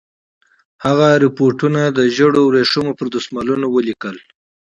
هغه رپوټونه د ژړو ورېښمو پر دسمالونو ولیکل.